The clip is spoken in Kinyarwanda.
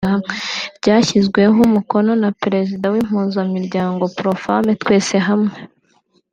ryashyizweho umukono na Perezida w’Impuzamiryango Pro-Femmes Twese hamwe